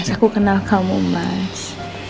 mas aku kenal kamu mas